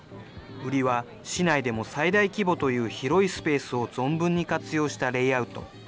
売りは市内でも最大規模という広いスペースを存分に活用したレイアウト。